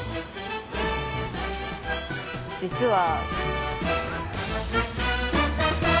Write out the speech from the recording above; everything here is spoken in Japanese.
実は。